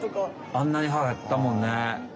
あんなに歯あったもんね。